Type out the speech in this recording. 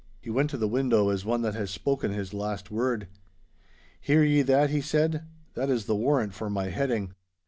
He went to the window as one that has spoken his last word. 'Hear ye that?' he said. 'That is the warrant for my heading.